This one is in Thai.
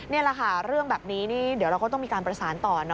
นี่แหละค่ะเรื่องแบบนี้นี่เดี๋ยวเราก็ต้องมีการประสานต่อ